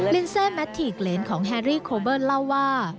ลินเซแมททิกเลนของแฮรี่โคเบิ้ลเล่าว่า